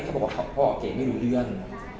เขาบอกว่าพ่อเก๋ไม่รู้เรื่อง